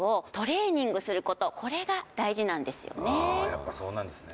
やっぱそうなんですね